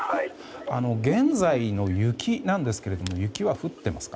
現在の雪なんですけども雪は降っていますか？